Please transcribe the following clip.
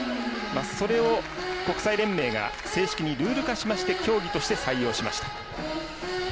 それを国際連盟が正式にルール化しまして競技として採用しました。